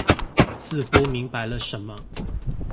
似乎明白了什麼